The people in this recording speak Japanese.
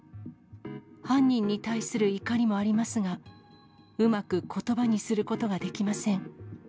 犯人に対する怒りもありますが、うまくことばにすることができません。